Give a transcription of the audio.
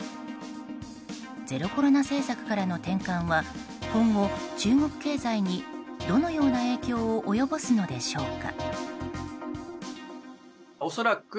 ゼロコロナ政策からの転換は今後、中国経済にどのような影響を及ぼすのでしょうか。